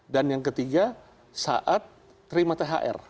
dan yang ketiga saat terima thr